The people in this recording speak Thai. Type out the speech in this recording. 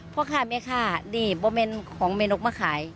พ่อค้าแม่ค้านี่โบเมนของเมนกมาขาย